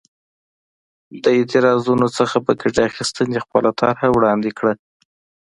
د اعتراضونو څخه په ګټې اخیستنې خپله طرحه وړاندې کړه.